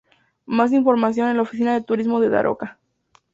Más información en la "Oficina de Turismo de Daroca".